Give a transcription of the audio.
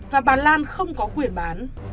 và bà lan không có quyền bán